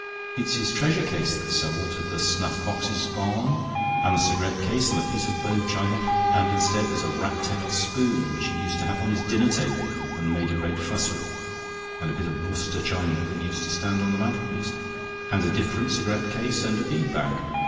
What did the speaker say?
It's his treasure case that's so altered. The snuff box is gone, and the cigarette case and the piece of Bow china, and instead there's a rat tail spoon which he used to have on his dinner table, and made a great fuss with, and a bit of Worcester china that used to stand on the mantelpiece, and a different cigarette case, and a bead bag.